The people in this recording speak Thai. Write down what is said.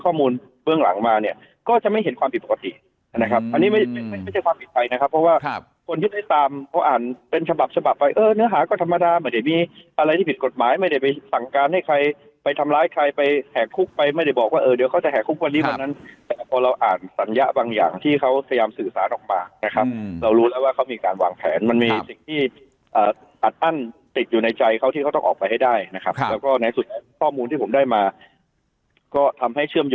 ข้อมูลเบื้องหลังมาเนี่ยก็จะไม่เห็นความผิดปกตินะครับอันนี้ไม่ใช่ความผิดไปนะครับเพราะว่าคนที่ได้ตามเขาอ่านเป็นฉบับฉบับไปเออเนื้อหาก็ธรรมดาไม่ได้มีอะไรที่ผิดกฎหมายไม่ได้ไปสั่งการให้ใครไปทำร้ายใครไปแห่งคุกไปไม่ได้บอกว่าเออเดี๋ยวเขาจะแห่งคุกวันนี้วันนั้นแต่พอเราอ่านสัญญะบางอย่างที่เขาพยายามสื่อ